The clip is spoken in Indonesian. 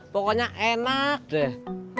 pokoknya enak deh